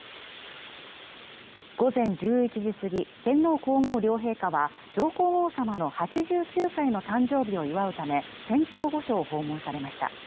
午前１１時過ぎ天皇皇后両陛下は上皇后さまの８９歳の誕生日を祝うため仙洞御所を訪問されました